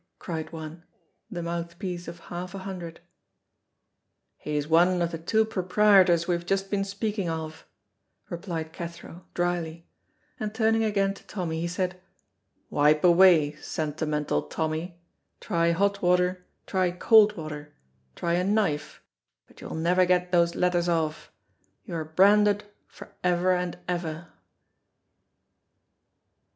cried one, the mouthpiece of half a hundred. "He is one of the two proprietors we have just been speaking of," replied Cathro, dryly, and turning again to Tommy, he said, "Wipe away, Sentimental Tommy, try hot water, try cold water, try a knife, but you will never get those letters off you; you are branded for ever and ever."